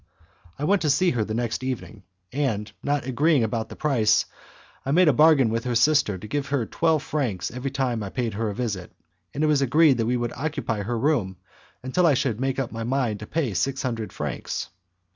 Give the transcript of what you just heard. I went to see her the next evening, and, not agreeing about the price, I made a bargain with her sister to give her twelve francs every time I paid her a visit, and it was agreed that we would occupy her room until I should make up my mind to pay six hundred francs.